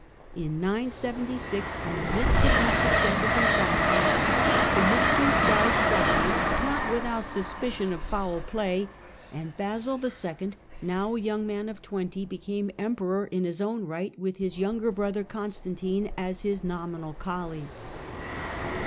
In 976, in the midst of these successes and triumphs, Zimisces died suddenly, not with out suspicion of foul play ; and Basil IL, now a young man of twenty, became Emperor in his own right, with his younger brother Constantino as his nominal colleague.